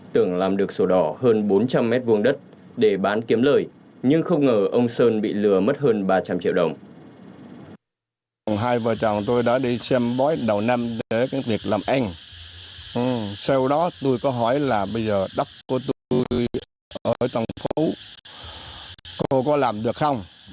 tưởng làm được sổ đỏ hơn bốn trăm linh mét vuông đất để bán kiếm lời nhưng không ngờ ông sơn bị lừa mất hơn ba trăm linh triệu đồng